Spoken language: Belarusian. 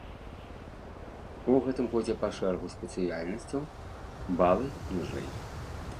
У гэтым годзе па шэрагу спецыяльнасцяў балы ніжэй.